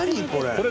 これ！